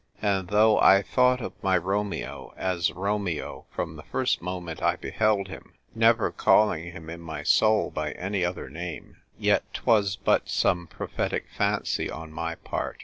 And though I thought of my Romeo as Romeo from the first moment I beheld him, never calling him in my soul by any other name, yet 'twas but some prophetic fancy on my part.